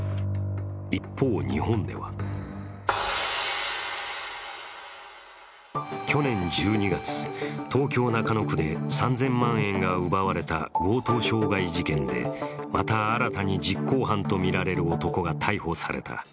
一方、日本では去年１２月、東京・中野区で３０００万円が奪われた強盗傷害事件でまた新たに実行犯とみられる男が逮捕された。